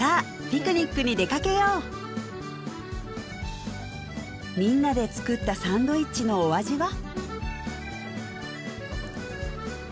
ピクニックに出かけようみんなで作ったサンドイッチのお味は？